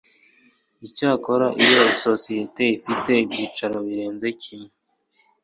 Icyakora iyo isosiyete ifite ibyiciro birenze kimwe